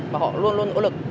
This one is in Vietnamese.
và họ luôn luôn nỗ lực